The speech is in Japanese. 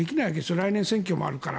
来年、選挙があるから。